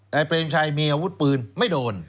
เปรมชัยมีอาวุธปืนไม่โดน